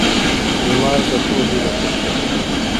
• لمر د پوهې یوه سرچینه ده.